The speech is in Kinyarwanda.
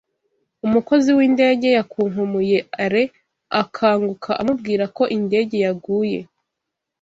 Umukozi windege yakunkumuye Alain akanguka amubwira ko indege yaguye.